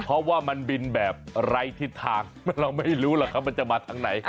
เพราะว่ามันบินแบบไร้ทิศทางเราไม่รู้หรอกครับมันจะมาทางไหน